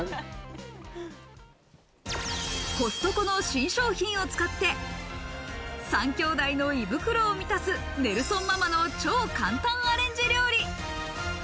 コストコの新商品を使って３兄弟の胃袋を満たす、ネルソンママの超簡単アレンジ料理。